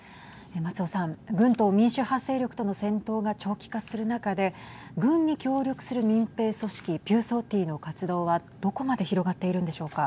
松尾さん、軍と民主派勢力との戦闘が長期化する中で軍に協力する民兵組織ピューソーティーの活動はどこまで広がっているんでしょうか。